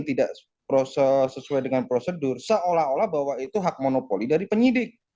tidak sesuai dengan prosedur seolah olah bahwa itu hak monopoli dari penyidik